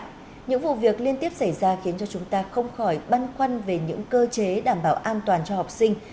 trong đó những vụ việc liên tiếp xảy ra khiến cho chúng ta không khỏi băn khoăn về những cơ chế đảm bảo an toàn cho học sinh